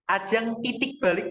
ajang titik balik